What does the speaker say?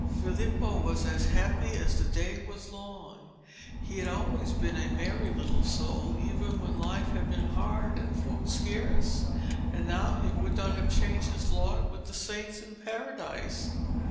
Filippo was as happy as the day was long. He had always been a merry little soul even when life had been hard and food scarce, and now he would not have changed his lot with the saints in Paradise.